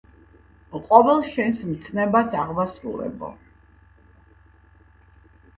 ყოველ შენს მცნებას აღვასრულებო.